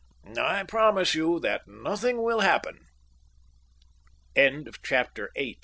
"I promise you that nothing will happen." Chapter IX Margar